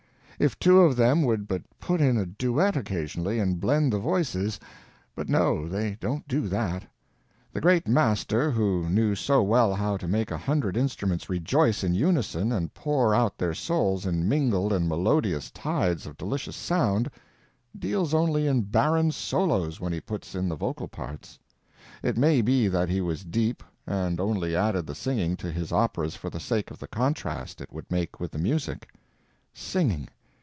If two of them would but put in a duet occasionally and blend the voices; but no, they don't do that. The great master, who knew so well how to make a hundred instruments rejoice in unison and pour out their souls in mingled and melodious tides of delicious sound, deals only in barren solos when he puts in the vocal parts. It may be that he was deep, and only added the singing to his operas for the sake of the contrast it would make with the music. Singing!